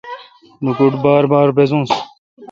لوکوٹ بار بار بزوس۔